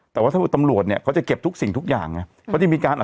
แต่ว่าถ้าว่าตำรวจเนี้ยเขาจะเก็บทุกสิ่งทุกอย่างอ่ะเขาจะมีการอ่ะ